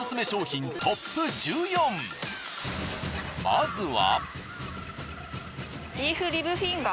まずは。